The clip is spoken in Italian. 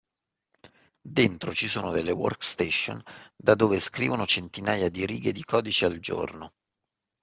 Dentro ci sono delle workstation da dove scrivono centinaia di righe di codice al giorno.